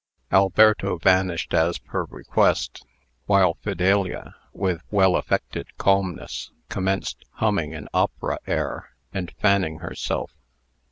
Alberto vanished as per request, while Fidelia, with well affected calmness, commenced humming an opera air, and fanning herself.